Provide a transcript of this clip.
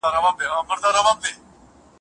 خپل ږغ د پښتو د علمي او ادبي ودې لپاره ثبت کړئ.